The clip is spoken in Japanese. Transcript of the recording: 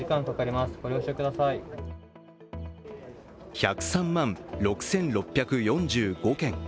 １０３万６６４５件。